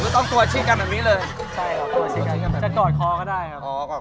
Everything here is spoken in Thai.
ต้องชี้กันตกใช้๒เครื่อง